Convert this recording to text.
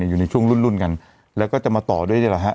อยู่ในช่วงรุ่นรุ่นกันแล้วก็จะมาต่อด้วยนี่แหละฮะ